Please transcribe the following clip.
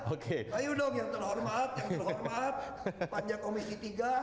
oke ayo dong yang terhormat yang terhormat panjang komisi tiga